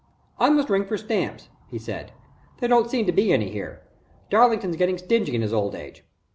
"I must ring for stamps," he said. "There don't seem to be any here. Darlington's getting stingy in his old age.